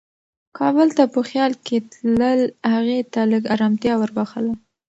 کابل ته په خیال کې تلل هغې ته لږ ارامتیا وربښله.